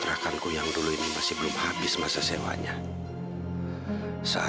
sekarang aku jadi bisa pakai tempat ini untuk menyembunyikan jahira